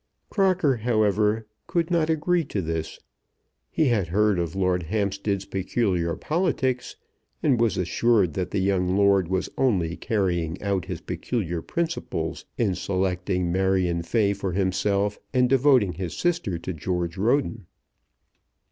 Crocker, however, could not agree to this. He had heard of Lord Hampstead's peculiar politics, and was assured that the young lord was only carrying out his peculiar principles in selecting Marion Fay for himself and devoting his sister to George Roden.